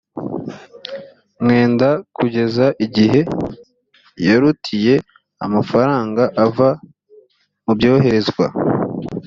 mwenda kugeza igihe yarutiye amafaranga ava mu byoherezwa